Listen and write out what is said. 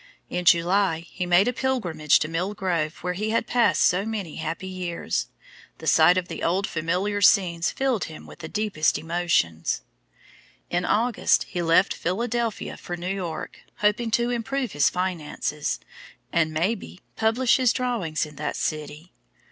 In July he made a pilgrimage to Mill Grove where he had passed so many happy years. The sight of the old familiar scenes filled him with the deepest emotions. In August he left Philadelphia for New York, hoping to improve his finances, and, may be, publish his drawings in that city.